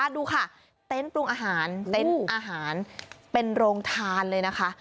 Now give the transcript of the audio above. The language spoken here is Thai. มาดูค่ะเต็นต์ปรุงอาหารเป็นโรงทานเลยนะคะ